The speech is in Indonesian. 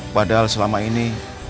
padahal selama ini